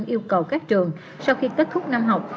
yêu cầu các trường sau khi kết thúc năm học